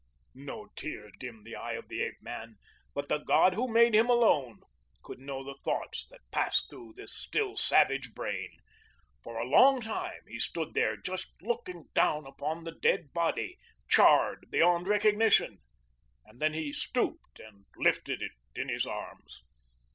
No tear dimmed the eye of the ape man, but the God who made him alone could know the thoughts that passed through that still half savage brain. For a long time he stood there just looking down upon the dead body, charred beyond recognition, and then he stooped and lifted it in his arms.